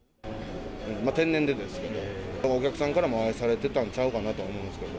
天然で、お客さんからも愛されてたんちゃうかなと思うんですけど。